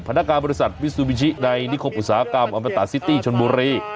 นักการบริษัทมิซูบิชิในนิคมอุตสาหกรรมอมตาซิตี้ชนบุรี